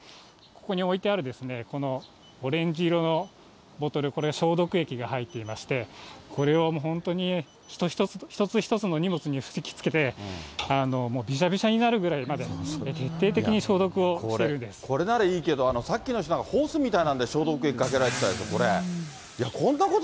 ここに置いてある、このオレンジ色のボトル、これ、消毒液が入っていまして、これを本当に一つ一つの荷物に吹きつけて、びしゃびしゃになるぐらいまで、これならいいけど、さっきの人なんて、ホースみたいなもので消毒液かけられてたでしょ、これ。